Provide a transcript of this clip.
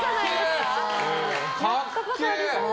かっけえ！